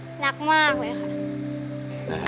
หนักมากเลยค่ะ